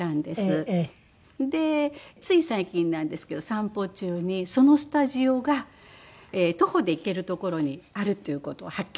でつい最近なんですけど散歩中にそのスタジオが徒歩で行ける所にあるっていう事を発見しまして。